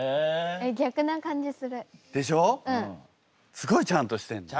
すごいちゃんとしてんの。